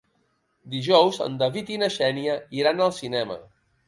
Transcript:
Dijous en David i na Xènia iran al cinema.